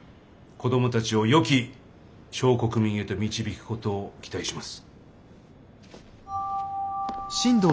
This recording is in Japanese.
子どもたちをよき少国民へと導く事を期待します。